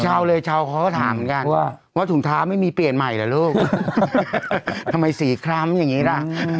เป็นเกณฑ์ใหม่หรอลูกทำไม๔ครั้งอย่างนี้ล่ะ